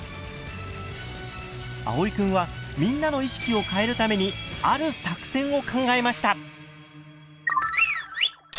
あおいくんはみんなの意識を変えるためにある作戦を考えました！